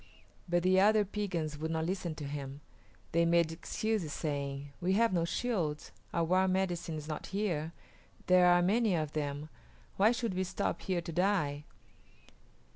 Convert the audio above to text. But the other Piegans would not listen to him; they made excuses, saying, "We have no shields; our war medicine is not here; there are many of them; why should we stop here to die?"